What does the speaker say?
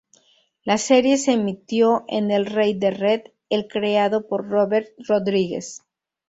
La serie se emitió en el Rey de red El creado por Robert Rodríguez.